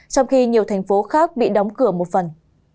trong khi nhiều thành phố khác bị đóng cửa một phần